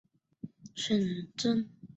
维尔斯特是德国下萨克森州的一个市镇。